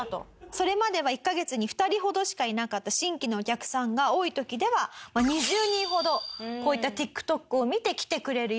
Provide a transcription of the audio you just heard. それまでは１カ月に２人ほどしかいなかった新規のお客さんが多い時では２０人ほどこういったＴｉｋＴｏｋを見て来てくれるようになったと。